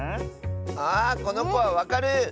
あこのこはわかる！